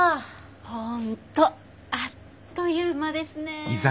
本当あっという間ですねえ。